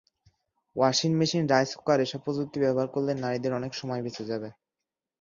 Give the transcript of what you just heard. Washing machine, rice cooker এসব প্রযুক্তি ব্যবহার করলে নারীদের অনেক সময় বেঁচে যাবে।